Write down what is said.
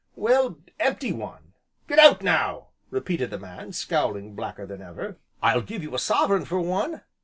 "Well, empty one." "Get out, now!" repeated the man, scowling blacker than ever. "I'll give you a sovereign for one."